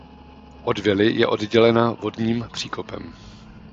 Od vily je oddělena vodním příkopem.